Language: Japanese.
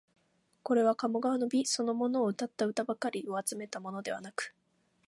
これは鴨川の美そのものをうたった歌ばかりを集めたものではなく、